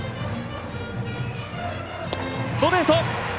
ストレート！